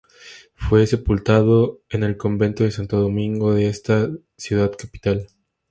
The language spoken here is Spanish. Fue sepultado en el Convento de Santo Domingo de esta ciudad capital.